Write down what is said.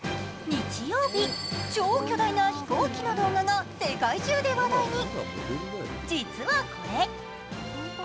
日曜日、超巨大な飛行機の動画が世界中で話題に。